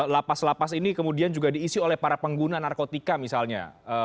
lapas lapas ini kemudian juga diisi oleh para pengguna narkotika misalnya